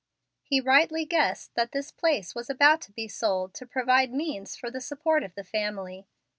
He rightly guessed that this place was about to be sold to provide means for the support of the family.